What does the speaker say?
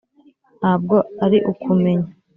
ntabwo ari ukumenya